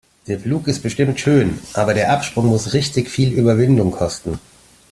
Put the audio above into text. Der Flug ist bestimmt schön, aber der Absprung muss richtig viel Überwindung kosten.